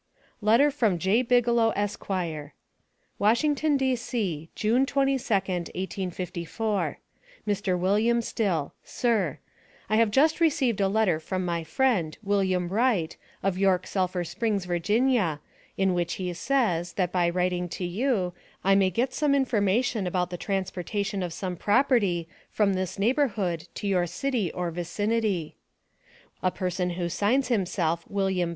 LETTER FROM J. BIGELOW, ESQ. WASHINGTON, D.C., June 22d, 1854. MR. WILLIAM STILL: Sir I have just received a letter from my friend, Wm. Wright, of York Sulphur Springs, Pa., in which he says, that by writing to you, I may get some information about the transportation of some property from this neighborhood to your city or vicinity. A person who signs himself Wm.